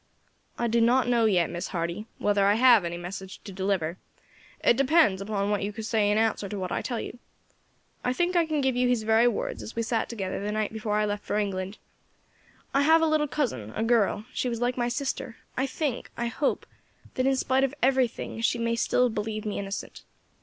"I do not know yet, Miss Hardy, whether I have any message to deliver; it depends upon what you say in answer to what I tell you. I think I can give you his very words as we sat together the night before I left for England: 'I have a little cousin, a girl, she was like my sister; I think, I hope, that in spite of everything she may still have believed me innocent.